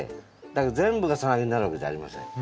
だけど全部がサナギなるわけじゃありません。